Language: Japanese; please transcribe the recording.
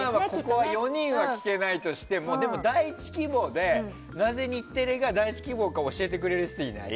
この４人は聞けないにしても第１希望でなぜ日テレが第１希望か教えてくれる人いない？